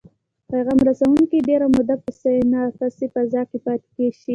پیغام رسوونکي ډیره موده په سیناپسي فضا کې پاتې شي.